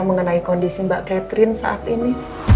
mengenai kondisi mbak catherine saat ini